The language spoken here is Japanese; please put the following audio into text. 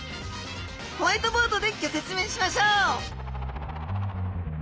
ホワイトボードでギョ説明しましょう！